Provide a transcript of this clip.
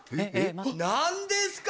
何ですか？